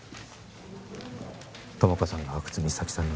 友果さんが阿久津実咲さんの